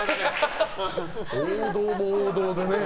王道も王道でね。